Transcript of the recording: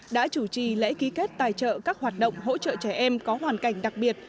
đã chủ trì lễ ký kết tài trợ các hoạt động hỗ trợ trẻ em có hoàn cảnh đặc biệt